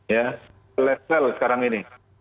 ya level sekarang ini